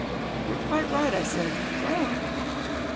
"You're quite right," I said. "Go on."